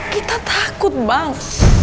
kita takut bang